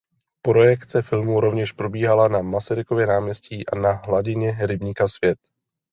Projekce filmů rovněž probíhala na Masarykově náměstí a na hladině rybníka Svět.